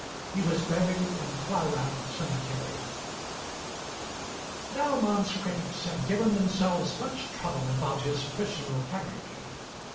He was buried in Clara cemetery. Bellman's critics have given themselves much trouble about his personal character.